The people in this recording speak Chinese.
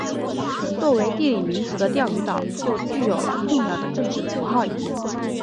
作为地理名词的钓鱼台就具有了重要的政治符号意义。